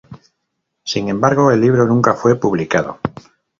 Sin embargo el libro nunca fue publicado.